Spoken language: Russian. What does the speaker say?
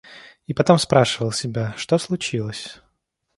И потом спрашивал себя, что случилось?